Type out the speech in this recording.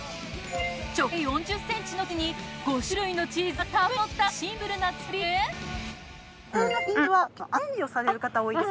直径４０ｃｍの生地に５種類のチーズがたっぷりのったシンプルな作りで。